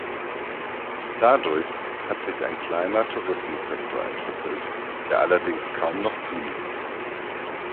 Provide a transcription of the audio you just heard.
Dadurch hat sich ein kleiner Tourismussektor entwickelt, der allerdings kaum noch zunimmt.